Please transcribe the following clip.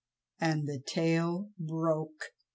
and the tail broke!